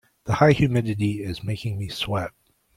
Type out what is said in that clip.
The high humidity is making me sweat.